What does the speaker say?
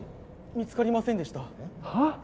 見つかりませんでしたはあ？